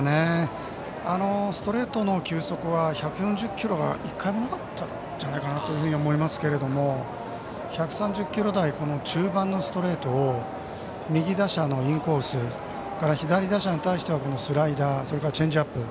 ストレートの球速は１４０キロはいかなかったんじゃないかと思いますけれども１３０キロ台中盤のストレートを右打者のインコース左打者に対してはスライダー、チェンジアップ。